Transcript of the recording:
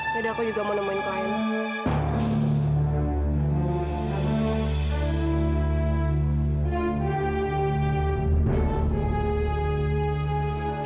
ya udah aku juga mau nemuin klien